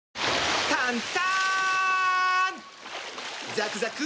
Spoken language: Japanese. ザクザク！